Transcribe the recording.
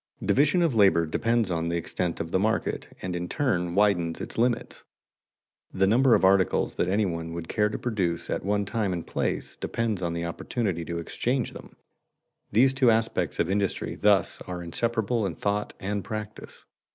Division of labor depends on the extent of the market, and in turn widens its limits. The number of articles that any one would care to produce at one time and place depends upon the opportunity to exchange them. These two aspects of industry thus are inseparable in thought and practice.